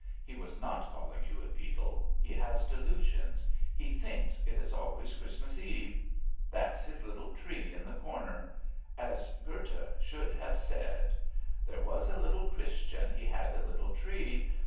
He was not calling you a beetle. He has delusions. He thinks it is always Christmas Eve. That's his little tree in the corner. As Goethe should have said — There was a little Christian. He had a little tree.